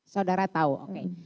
saudara tahu oke